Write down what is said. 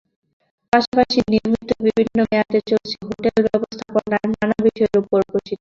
পাশাপাশি নিয়মিত বিভিন্ন মেয়াদে চলছে হোটেল ব্যবস্থাপনার নানা বিষয়ের ওপর প্রশিক্ষণ।